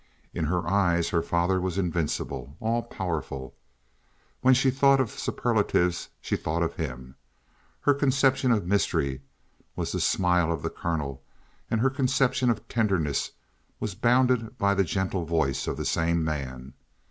In her eyes, her father was invincible, all powerful. When she thought of superlatives, she thought of him. Her conception of mystery was the smile of the colonel, and her conception of tenderness was bounded by the gentle voice of the same man.